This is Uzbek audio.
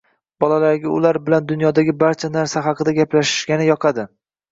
Bolalarga ular bilan dunyodagi barcha narsa haqida gaplashishgani yoqadi.